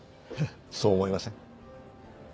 そう思いません？